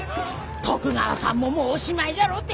徳川さんももうおしまいじゃろうて。